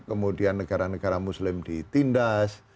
kemudian negara negara muslim ditindas